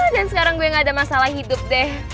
dan sekarang gue gak ada masalah hidup deh